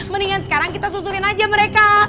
mendingan sekarang kita susurin aja mereka